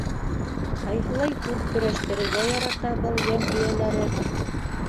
—Ҡайһылай һүҙ көрәштерергә ярата был йән эйәләре!